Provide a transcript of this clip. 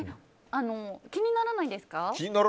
気にならないですか？